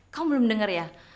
kamu belum dengar ya